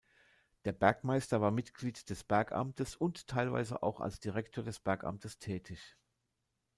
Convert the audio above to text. Der Bergmeister war Mitglied des Bergamtes und teilweise auch als Direktor des Bergamtes tätig.